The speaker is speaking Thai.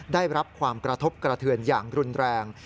ได้รับความกระทบกระเทือนอย่างรุนแรง